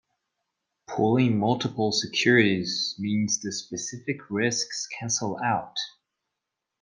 Pooling multiple securities means the specific risks cancel out.